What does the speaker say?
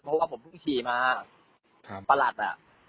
เพราะว่าผมเพิ่งขี่มาครับประหลัดอ่ะ